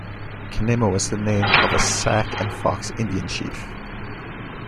Quenemo was the name of a Sac and Fox Indian chief.